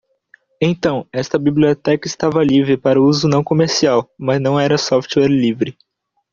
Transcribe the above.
Então, esta biblioteca estava livre para uso não comercial, mas não era software livre.